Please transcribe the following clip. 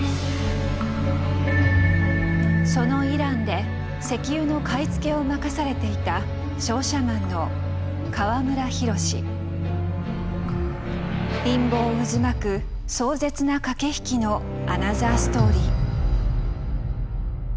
そのイランで石油の買い付けを任されていた陰謀渦巻く壮絶な駆け引きのアナザーストーリー。